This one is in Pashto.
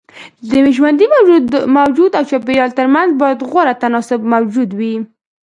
د ژوندي موجود او چاپيريال ترمنځ بايد غوره تناسب موجود وي.